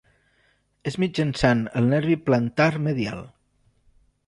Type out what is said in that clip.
És mitjançant el nervi plantar medial.